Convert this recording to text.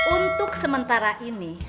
untuk sementara ini